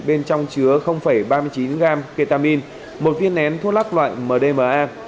bên trong chứa ba mươi chín gram ketamin một viên nén thuốc lắc loại mdma